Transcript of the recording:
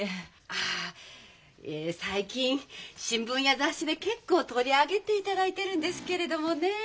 ああ最近新聞や雑誌で結構取り上げていただいてるんですけれどもねえ。